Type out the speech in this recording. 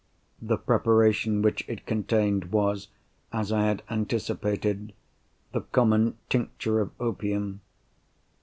The preparation which it contained was, as I had anticipated, the common Tincture of Opium.